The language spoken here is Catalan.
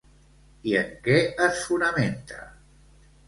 I en què es fonamenta?